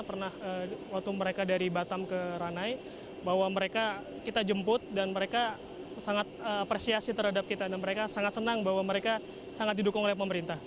pernah waktu mereka dari batam ke ranai bahwa mereka kita jemput dan mereka sangat apresiasi terhadap kita dan mereka sangat senang bahwa mereka sangat didukung oleh pemerintah